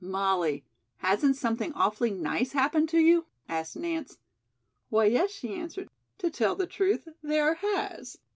"Molly, hasn't something awfully nice happened to you?" asked Nance. "Why, yes," she answered, "to tell the truth, there has."